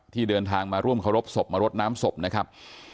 เดินทางมาร่วมเคารพศพมารดน้ำศพนะครับ